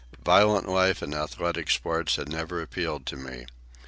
Violent life and athletic sports had never appealed to me.